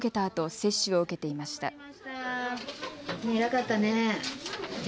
あと接種を受けていました。